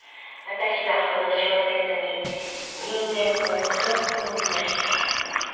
私はこの小説に人間の孤独を見ましたわ。